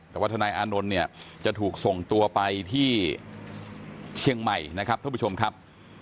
แต่ว่าทนายอานนท์เนี่ยจะถูกส่งตัวไปที่เชียงใหม่นะครับท่านผู้ชมครับ